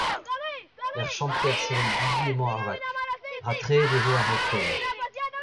Er chanter sevel bigi emañ ar vag, ratreet e vo a-raok pell.